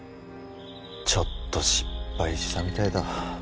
ちょっと失敗したみたいだ